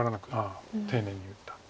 丁寧に打った。